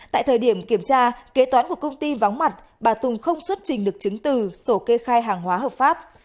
tại thời điểm kiểm tra kế toán của công ty vắng mặt bà tùng không xuất trình được chứng từ sổ kê khai hàng hóa hợp pháp